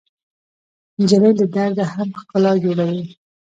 نجلۍ له درده هم ښکلا جوړوي.